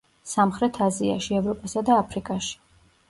სამხრეთ აზიაში, ევროპასა და აფრიკაში.